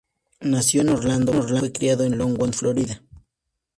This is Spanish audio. Nació en Orlando, pero fue criado en Longwood, Florida.